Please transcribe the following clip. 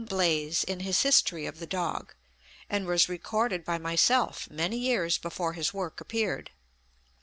Blaze in his history of the dog, and was recorded by myself many years before his work appeared.